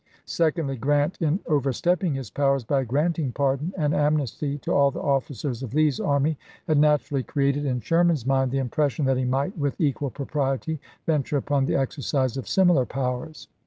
Secondly, Grant, in over stepping his powers by granting pardon and amnesty to all the officers of Lee's army, had naturally created in Sherman's mind the impression that he might with equal propriety venture upon the exercise of similar powers.